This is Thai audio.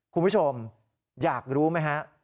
คุณผู้ชมอยากรู้ไหมฮะ